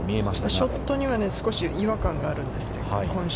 ショットには少し違和感があるんですって、今週。